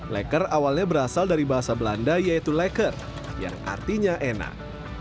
leker awalnya berasal dari bahasa belanda yaitu leker yang artinya enak